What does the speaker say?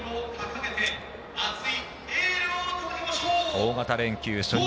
大型連休初日